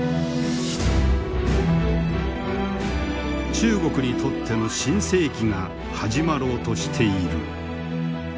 中国にとっての新世紀が始まろうとしている。